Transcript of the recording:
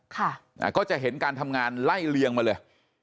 ค่ะอ่าก็จะเห็นการทำงานไล่เลียงมาเลย